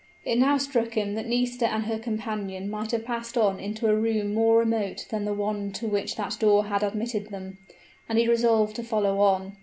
It now struck him that Nisida and her companion might have passed on into a room more remote than the one to which that door had admitted them; and he resolved to follow on.